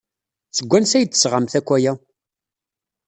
Seg wansi ay d-tesɣamt akk aya?